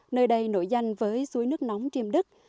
nơi đây nổi danh với suối nước nóng chiêm đức